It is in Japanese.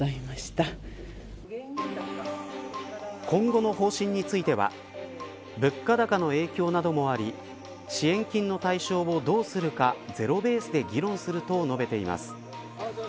今後の方針については物価高の影響などもあり支援金の対象をどうするかゼロベースで議論すると述べています。